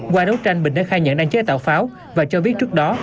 qua đấu tranh bình đã khai nhận đang chế tạo pháo và cho biết trước đó